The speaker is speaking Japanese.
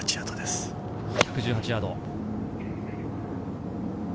１１８ヤードです。